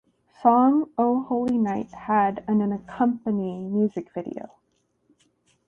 Song "O Holy Night" had an accompanying music video.